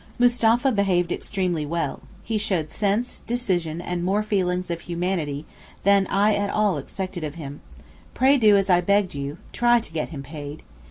Mustapha behaved extremely well. He showed sense, decision, and more feelings of humanity than I at all expected of him. Pray do as I begged you, try to get him paid.